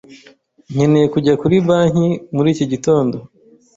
Nkeneye kujya kuri banki muri iki gitondo.